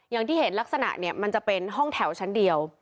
อย่างที่เห็นลักษณะเนี่ยมันจะเป็นห้องแถวชั้นเดียว